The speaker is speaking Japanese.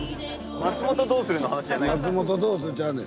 松本どうする？ちゃうねん。